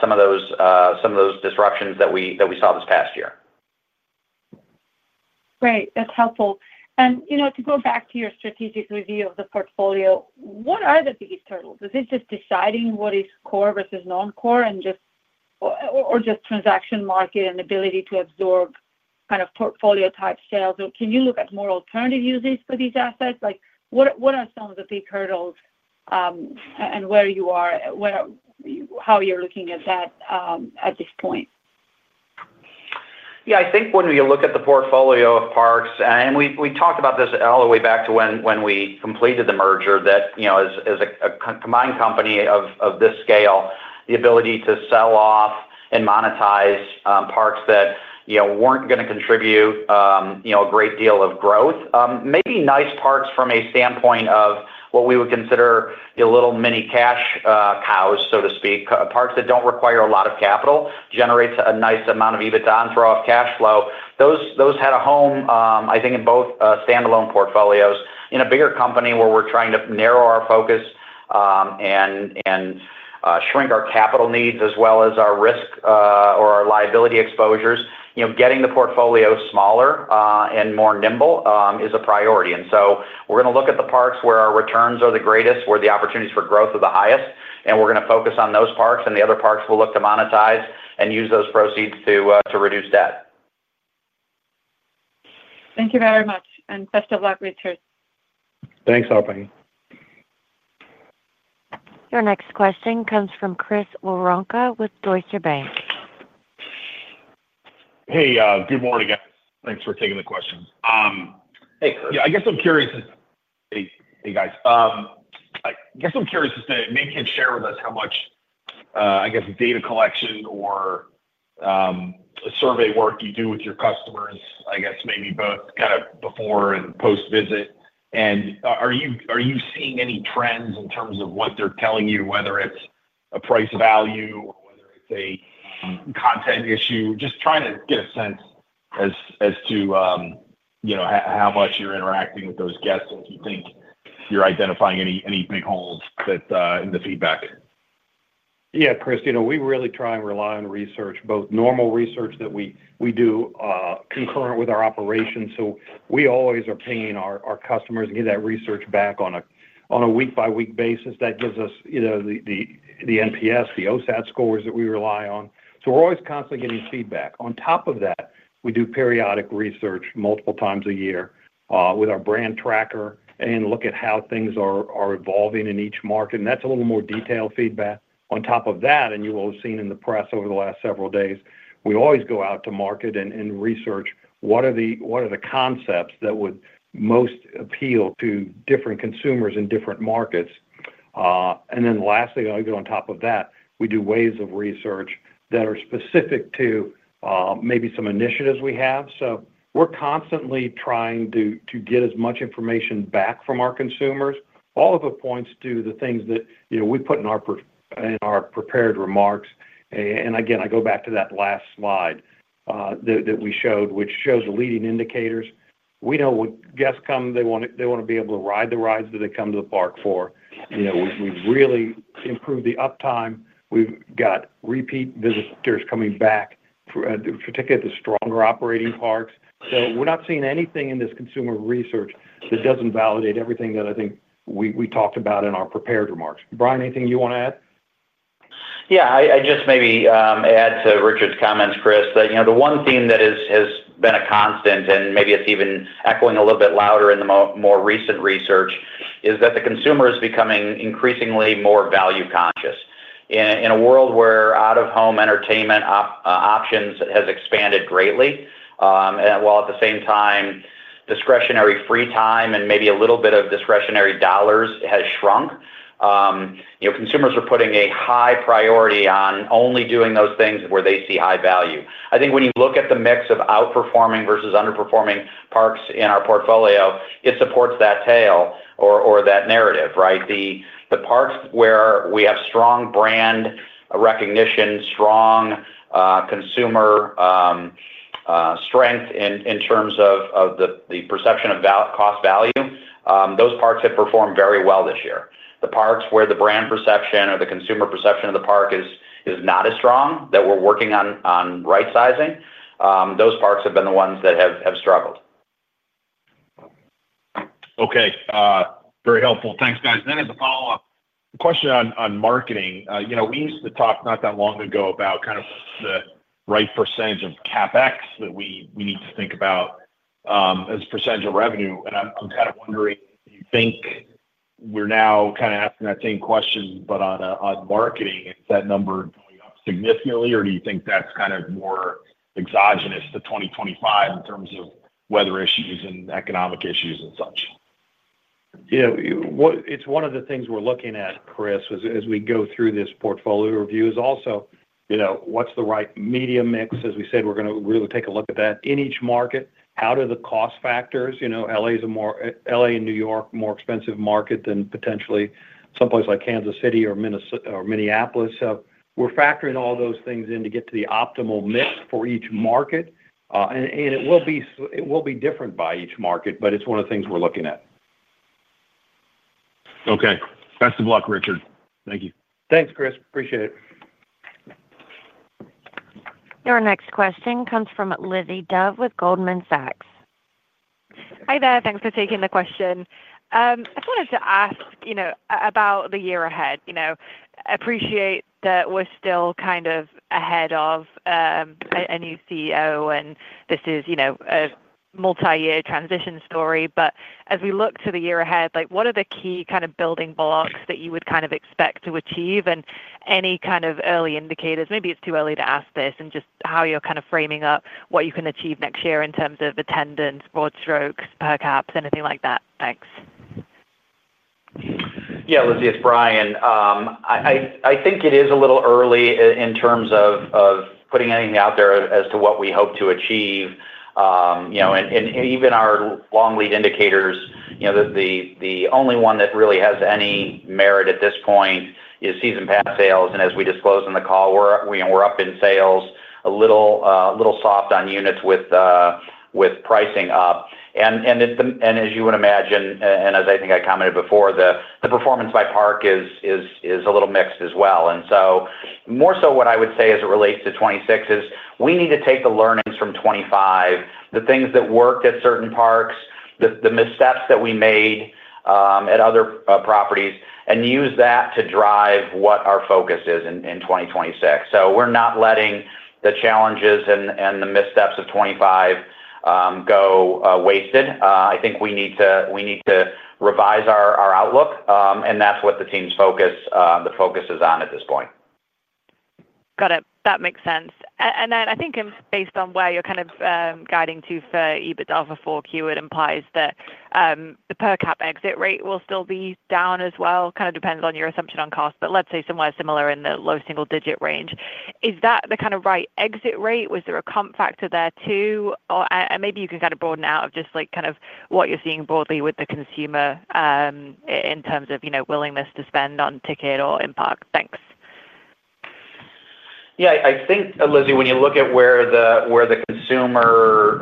Speaker 4: some of those disruptions that we saw this past year.
Speaker 9: Great. That's helpful. To go back to your strategic review of the portfolio, what are the biggest hurdles? Is it just deciding what is core versus non-core or just transaction market and ability to absorb kind of portfolio-type sales? Can you look at more alternative uses for these assets? What are some of the big hurdles and where you are, how you're looking at that at this point?
Speaker 4: Yeah, I think when we look at the portfolio of parks, and we talked about this all the way back to when we completed the merger, that as a combined company of this scale, the ability to sell off and monetize parks that were not going to contribute a great deal of growth. Maybe nice parks from a standpoint of what we would consider little mini cash cows, so to speak, parks that do not require a lot of capital, generate a nice amount of EBITDA and throw off cash flow. Those had a home, I think, in both standalone portfolios. In a bigger company where we're trying to narrow our focus and shrink our capital needs as well as our risk or our liability exposures, getting the portfolio smaller and more nimble is a priority. We're going to look at the parks where our returns are the greatest, where the opportunities for growth are the highest, and we're going to focus on those parks. The other parks we'll look to monetize and use those proceeds to reduce debt.
Speaker 9: Thank you very much. Best of luck, Richard.
Speaker 3: Thanks, Arpine.
Speaker 1: Your next question comes from Chris Woronka with Deutsche Bank.
Speaker 10: Hey, good morning, guys. Thanks for taking the question. Yeah, I guess I'm curious to say, hey, guys. I guess I'm curious to say, maybe you can share with us how much, I guess, data collection or survey work you do with your customers, I guess, maybe both kind of before and post-visit. Are you seeing any trends in terms of what they're telling you, whether it's a price value or whether it's a content issue? Just trying to get a sense as to how much you're interacting with those guests and if you think you're identifying any big holes in the feedback.
Speaker 3: Yeah, Chris, we really try and rely on research, both normal research that we do concurrent with our operations. We always are paying our customers and getting that research back on a week-by-week basis. That gives us the NPS, the OSAT scores that we rely on. We're always constantly getting feedback. On top of that, we do periodic research multiple times a year with our brand tracker and look at how things are evolving in each market. That is a little more detailed feedback. On top of that, and you will have seen in the press over the last several days, we always go out to market and research what are the concepts that would most appeal to different consumers in different markets. Lastly, on top of that, we do waves of research that are specific to maybe some initiatives we have. We are constantly trying to get as much information back from our consumers, all of which points to the things that we put in our prepared remarks. I go back to that last slide that we showed, which shows the leading indicators. We know when guests come, they want to be able to ride the rides that they come to the park for. We've really improved the uptime. We've got repeat visitors coming back, particularly at the stronger operating parks. We are not seeing anything in this consumer research that does not validate everything that I think we talked about in our prepared remarks. Brian, anything you want to add?
Speaker 4: Yeah, I just maybe add to Richard's comments, Chris, that the one theme that has been a constant, and maybe it is even echoing a little bit louder in the more recent research, is that the consumer is becoming increasingly more value-conscious. In a world where out-of-home entertainment options have expanded greatly, while at the same time, discretionary free time and maybe a little bit of discretionary dollars has shrunk, consumers are putting a high priority on only doing those things where they see high value. I think when you look at the mix of outperforming versus underperforming parks in our portfolio, it supports that tale or that narrative, right? The parks where we have strong brand recognition, strong consumer strength in terms of the perception of cost value, those parks have performed very well this year. The parks where the brand perception or the consumer perception of the park is not as strong that we're working on right-sizing, those parks have been the ones that have struggled.
Speaker 10: Okay. Very helpful. Thanks, guys. As a follow-up, a question on marketing. We used to talk not that long ago about kind of the right percentage of CapEx that we need to think about as a percentage of revenue. I'm kind of wondering if you think we're now kind of asking that same question, but on marketing. Is that number going up significantly, or do you think that's kind of more exogenous to 2025 in terms of weather issues and economic issues and such?
Speaker 3: Yeah, it's one of the things we're looking at, Chris, as we go through this portfolio review, is also what's the right media mix. As we said, we're going to really take a look at that in each market. How do the cost factors? LA and New York, more expensive market than potentially someplace like Kansas City or Minneapolis. We're factoring all those things in to get to the optimal mix for each market. It will be different by each market, but it's one of the things we're looking at.
Speaker 10: Okay. Best of luck, Richard. Thank you.
Speaker 3: Thanks, Chris. Appreciate it.
Speaker 1: Your next question comes from Lizzie Dove with Goldman Sachs.
Speaker 11: Hi there. Thanks for taking the question. I just wanted to ask about the year ahead. Appreciate that we're still kind of ahead of a new CEO, and this is a multi-year transition story. As we look to the year ahead, what are the key kind of building blocks that you would kind of expect to achieve? Any kind of early indicators? Maybe it's too early to ask this, and just how you're kind of framing up what you can achieve next year in terms of attendance, broad strokes, per capita, anything like that. Thanks.
Speaker 4: Yeah, Lizzie, it's Brian. I think it is a little early in terms of putting anything out there as to what we hope to achieve. Even our long lead indicators, the only one that really has any merit at this point is season pass sales. As we disclosed in the call, we're up in sales, a little soft on units with pricing up. As you would imagine, and as I think I commented before, the performance by park is a little mixed as well. More so, what I would say as it relates to 2026 is we need to take the learnings from 2025, the things that worked at certain parks, the missteps that we made at other properties, and use that to drive what our focus is in 2026. We're not letting the challenges and the missteps of 2025 go wasted. I think we need to revise our outlook, and that's what the team's focus is on at this point.
Speaker 11: Got it. That makes sense. I think based on where you're kind of guiding to for EBITDA for Q4, it implies that the per-cap exit rate will still be down as well. Kind of depends on your assumption on cost, but let's say somewhere similar in the low single-digit range. Is that the kind of right exit rate? Was there a comp factor there, too? Maybe you can kind of broaden out of just kind of what you're seeing broadly with the consumer in terms of willingness to spend on ticket or in-park. Thanks.
Speaker 4: Yeah, I think, Lizzie, when you look at where the consumer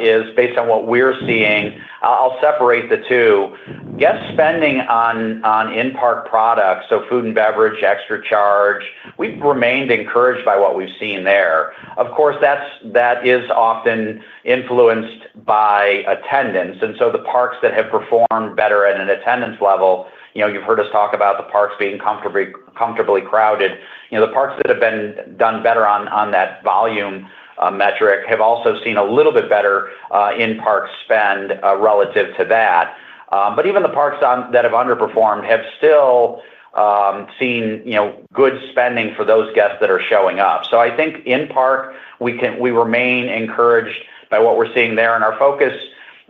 Speaker 4: is based on what we're seeing, I'll separate the two. Guest spending on in-park products, so food and beverage, extra charge, we've remained encouraged by what we've seen there. Of course, that is often influenced by attendance. The parks that have performed better at an attendance level, you've heard us talk about the parks being comfortably crowded. The parks that have done better on that volume metric have also seen a little bit better in-park spend relative to that. Even the parks that have underperformed have still seen good spending for those guests that are showing up. I think in-park, we remain encouraged by what we're seeing there. Our focus,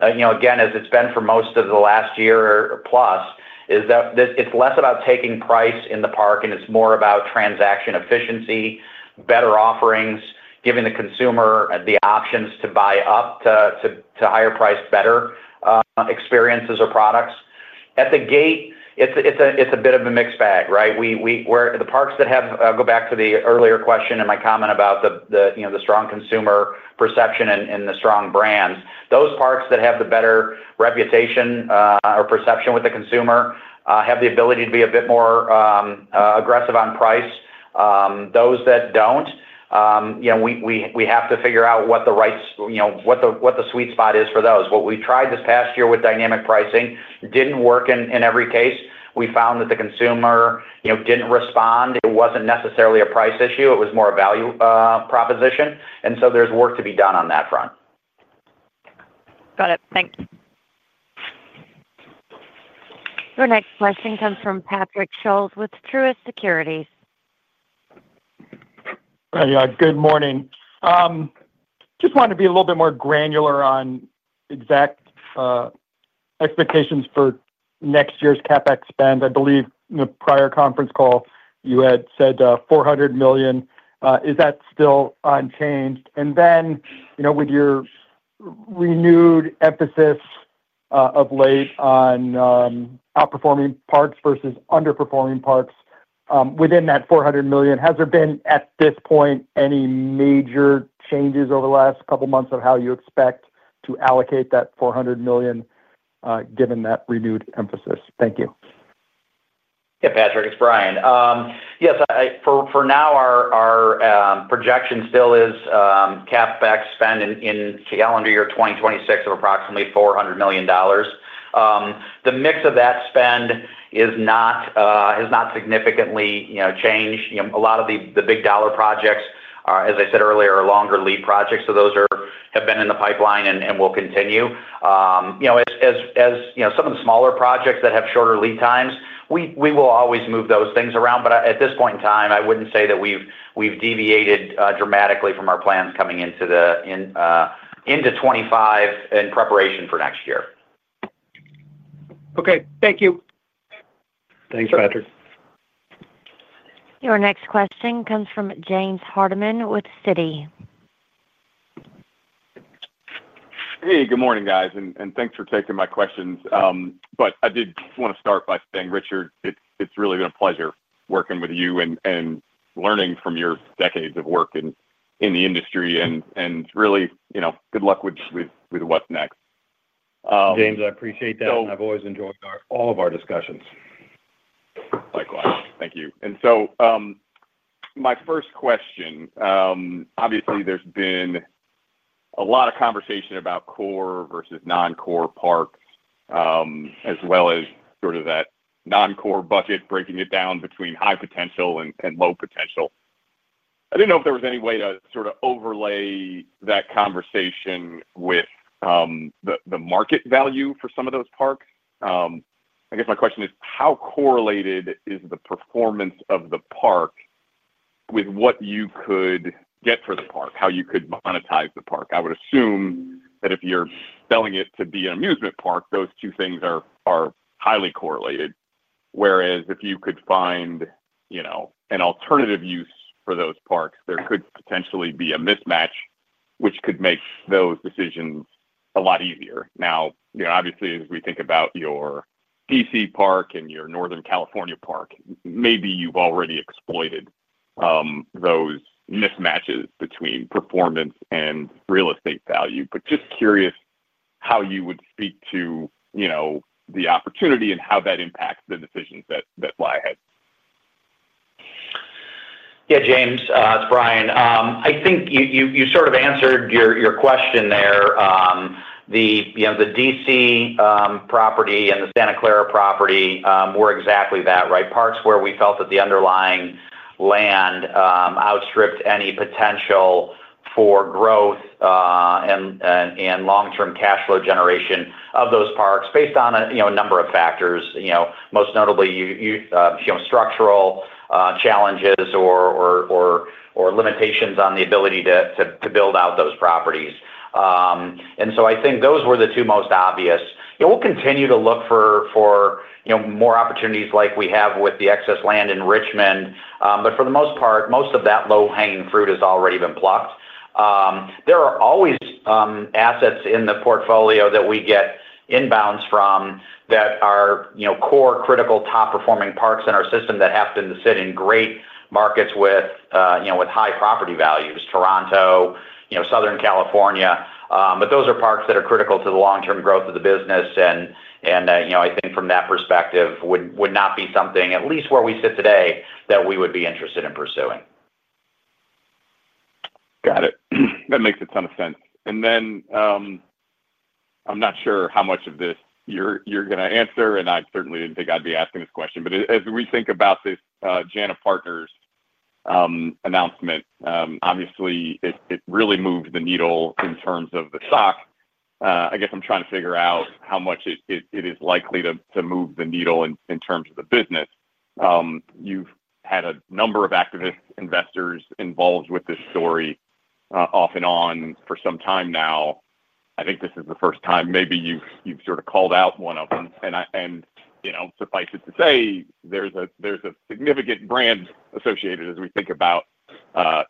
Speaker 4: again, as it's been for most of the last year or plus, is that it's less about taking price in the park, and it's more about transaction efficiency, better offerings, giving the consumer the options to buy up to higher-priced, better experiences or products. At the gate, it's a bit of a mixed bag, right? The parks that have—I go back to the earlier question and my comment about the strong consumer perception and the strong brands. Those parks that have the better reputation or perception with the consumer have the ability to be a bit more aggressive on price. Those that do not, we have to figure out what the right—what the sweet spot is for those. What we tried this past year with dynamic pricing did not work in every case. We found that the consumer did not respond. It was not necessarily a price issue. It was more a value proposition. There is work to be done on that front.
Speaker 11: Got it. Thanks.
Speaker 1: Your next question comes from Patrick Scholes with Truist Securities.
Speaker 12: Hey, good morning. Just wanted to be a little bit more granular on exact expectations for next year's CapEx spend. I believe in the prior conference call, you had said $400 million. Is that still unchanged? With your renewed emphasis of late on outperforming parks versus underperforming parks, within that $400 million, has there been at this point any major changes over the last couple of months of how you expect to allocate that $400 million given that renewed emphasis? Thank you.
Speaker 4: Yeah, Patrick, it's Brian. Yes, for now, our projection still is CapEx spend in calendar year 2026 of approximately $400 million. The mix of that spend has not significantly changed. A lot of the big-dollar projects, as I said earlier, are longer lead projects. Those have been in the pipeline and will continue. As some of the smaller projects that have shorter lead times, we will always move those things around. At this point in time, I wouldn't say that we've deviated dramatically from our plans coming into 2025 in preparation for next year.
Speaker 12: Okay. Thank you.
Speaker 4: Thanks, Patrick.
Speaker 1: Your next question comes from James Hardiman with Citi.
Speaker 13: Hey, good morning, guys. Thanks for taking my questions. I did want to start by saying, Richard, it's really been a pleasure working with you and learning from your decades of work in the industry. Really, good luck with what's next.
Speaker 3: James, I appreciate that. I've always enjoyed all of our discussions.
Speaker 13: Likewise. Thank you. My first question, obviously, there's been a lot of conversation about core versus non-core parks, as well as sort of that non-core bucket, breaking it down between high potential and low potential. I didn't know if there was any way to sort of overlay that conversation with the market value for some of those parks. I guess my question is, how correlated is the performance of the park with what you could get for the park, how you could monetize the park? I would assume that if you're selling it to be an amusement park, those two things are highly correlated. Whereas if you could find an alternative use for those parks, there could potentially be a mismatch, which could make those decisions a lot easier. Obviously, as we think about your DC park and your Northern California park, maybe you've already exploited those mismatches between performance and real estate value. Just curious how you would speak to the opportunity and how that impacts the decisions that lie ahead.
Speaker 4: Yeah, James, it's Brian. I think you sort of answered your question there. The D.C. property and the Santa Clara property were exactly that, right? Parks where we felt that the underlying land outstripped any potential for growth and long-term cash flow generation of those parks, based on a number of factors, most notably structural challenges or limitations on the ability to build out those properties. I think those were the two most obvious. We'll continue to look for more opportunities like we have with the excess land in Richmond. For the most part, most of that low-hanging fruit has already been plucked. There are always assets in the portfolio that we get inbounds from that are core, critical, top-performing parks in our system that happen to sit in great markets with high property values: Toronto, Southern California. Those are parks that are critical to the long-term growth of the business. I think from that perspective, would not be something, at least where we sit today, that we would be interested in pursuing.
Speaker 13: Got it. That makes a ton of sense. I'm not sure how much of this you're going to answer, and I certainly didn't think I'd be asking this question. As we think about this Jana Partners announcement, obviously, it really moved the needle in terms of the stock. I guess I'm trying to figure out how much it is likely to move the needle in terms of the business. You've had a number of activist investors involved with this story off and on for some time now. I think this is the first time maybe you've sort of called out one of them. Suffice it to say, there's a significant brand associated as we think about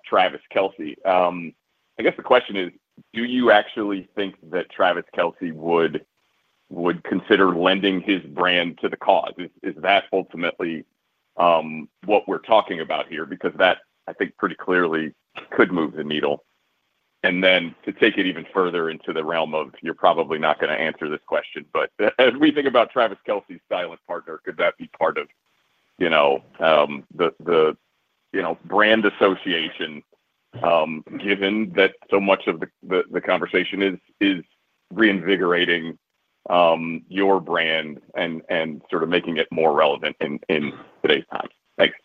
Speaker 13: Travis Kelce. I guess the question is, do you actually think that Travis Kelce would consider lending his brand to the cause? Is that ultimately what we're talking about here? Because of that, I think, pretty clearly, could move the needle. And then to take it even further into the realm of, you're probably not going to answer this question, but as we think about Travis Kelce's Silent Partner, could that be part of the brand association, given that so much of the conversation is reinvigorating your brand and sort of making it more relevant in today's time? Thanks.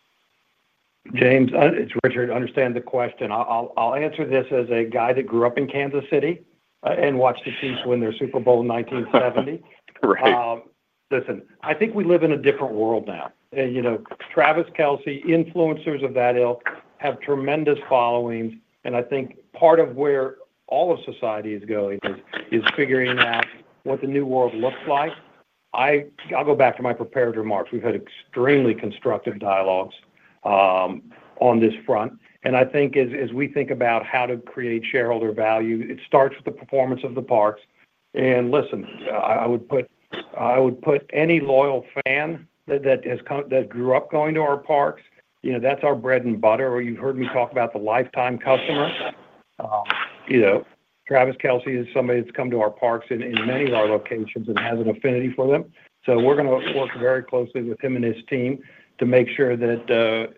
Speaker 3: James, it's Richard. I understand the question. I'll answer this as a guy that grew up in Kansas City and watched the Chiefs win their Super Bowl in 1970. Listen, I think we live in a different world now. Travis Kelce, influencers of that ilk, have tremendous followings. I think part of where all of society is going is figuring out what the new world looks like. I'll go back to my prepared remarks. We've had extremely constructive dialogues on this front. I think as we think about how to create shareholder value, it starts with the performance of the parks. Listen, I would put any loyal fan that grew up going to our parks, that's our bread and butter, or you've heard me talk about the lifetime customer. Travis Kelce is somebody that's come to our parks in many of our locations and has an affinity for them. We are going to work very closely with him and his team to make sure that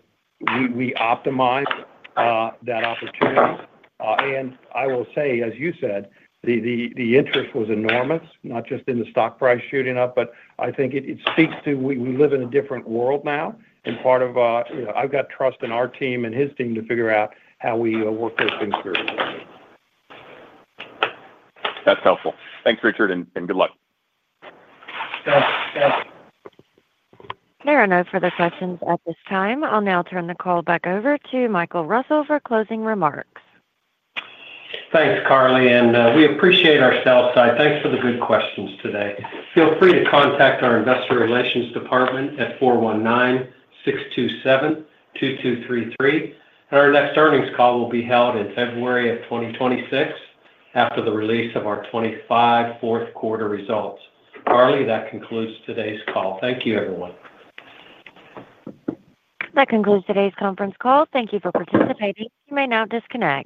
Speaker 3: we optimize that opportunity. I will say, as you said, the interest was enormous, not just in the stock price shooting up, but I think it speaks to we live in a different world now. Part of I've got trust in our team and his team to figure out how we work those things through.
Speaker 13: That's helpful. Thanks, Richard, and good luck.
Speaker 3: Thanks.
Speaker 1: There are no further questions at this time. I'll now turn the call back over to Michael Russell for closing remarks.
Speaker 2: Thanks, Carly. We appreciate our sell side. Thanks for the good questions today. Feel free to contact our investor relations department at 419-627-2233. Our next earnings call will be held in February of 2026 after the release of our 2025 fourth quarter results. Carly, that concludes today's call. Thank you, everyone.
Speaker 1: That concludes today's conference call. Thank you for participating. You may now disconnect.